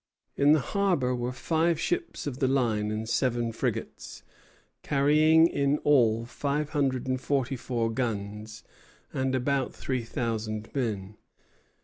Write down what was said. In the harbor were five ships of the line and seven frigates, carrying in all five hundred and forty four guns and about three thousand men.